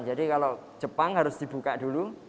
jadi kalau jepang harus dibuka dulu